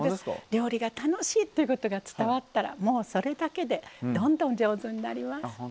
料理が楽しいっていうことが伝わったら、それだけでどんどん上手になります。